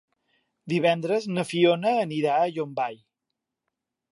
Divendres na Fiona anirà a Llombai.